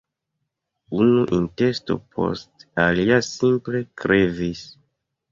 Unu intesto post alia simple krevis.